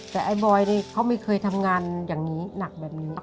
แต่ไอ้บอยนี่เขาไม่เคยทำงานอย่างนี้หนักแบบนี้